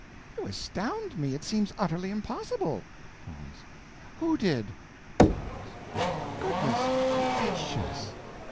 You astound me! It seems utterly impossible! Pause. _Who _did? Pause. Good ness gracious!